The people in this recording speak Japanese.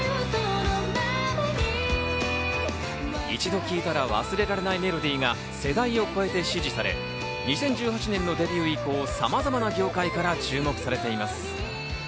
一度聴いたら忘れられないメロディーが世代を超えて支持され２０１８年のデビュー以降、様々な業界から注目されています。